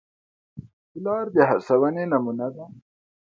پلار د هڅې نمونه ده.